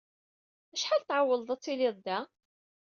Acḥal i tɛewwleḍ ad tiliḍ da?